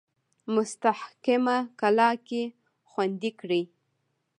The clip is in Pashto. مستحکمه کلا کې خوندې کړي.